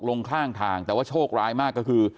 ลงข้างทางแต่ว่าโชคร้ายมากก็คือ